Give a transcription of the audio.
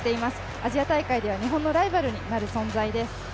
アジア大会では日本のライバルになる存在です。